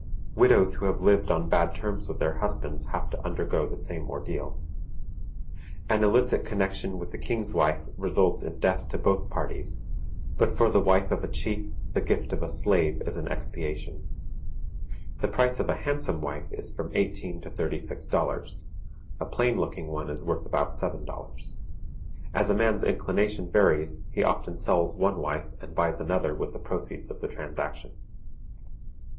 Widows who have lived on bad terms with their husbands have to undergo the same ordeal. An illicit connection with the king's wife results in death to both parties, but for the wife of a chief the gift of a slave is an expiation. The price of a handsome wife is from eighteen to thirty six dollars; a plain looking one is worth about seven dollars. As a man's inclination varies, he often sells one wife, and buys another with the proceeds of the transaction.